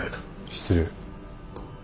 失礼。